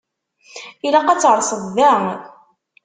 Ilaq ad terseḍ da.